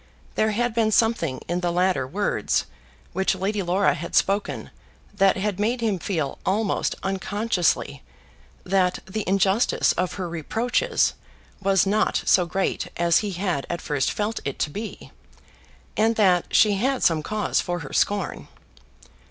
There had been something in the later words which Lady Laura had spoken that had made him feel almost unconsciously that the injustice of her reproaches was not so great as he had at first felt it to be, and that she had some cause for her scorn.